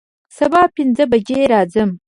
سبا پنځه بجې راځم